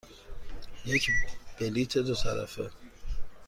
یک بلیط دو طرفه.